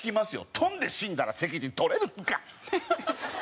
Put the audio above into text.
飛んで死んだら責任取れるんか！